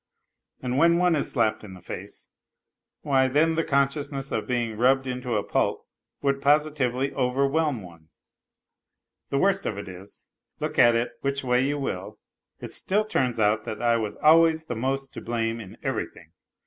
And when one is slapped in the face why then the consciousness of being rubbed into a pulp would positively overwhelm one. The worst of it is, look at it which way one will, it still turns out that I Avas always the most to blame in everything.